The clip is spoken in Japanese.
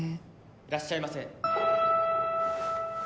いらっしゃいませ。